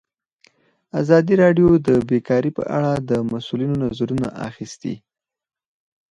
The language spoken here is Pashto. ازادي راډیو د بیکاري په اړه د مسؤلینو نظرونه اخیستي.